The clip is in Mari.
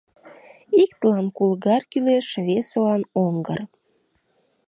Иктылан кулыгар кӱлеш, весылан — оҥгыр!